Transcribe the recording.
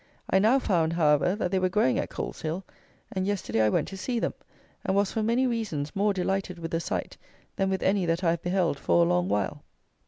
I now found, however, that they were growing at Coleshill, and yesterday I went to see them, and was, for many reasons, more delighted with the sight than with any that I have beheld for a long while.